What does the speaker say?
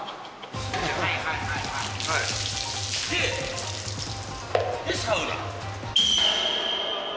で、サウナ？